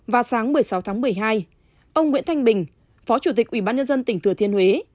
vào sáng một mươi sáu tháng một mươi hai ông nguyễn thanh bình phó chủ tịch ủy ban nhân dân tỉnh thừa thiên huế